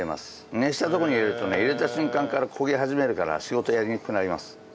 熱したところに入れるとね入れた瞬間から焦げ始めるから仕事やりにくくなります。